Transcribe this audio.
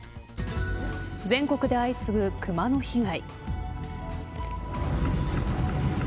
全国で相次ぐクマの被害。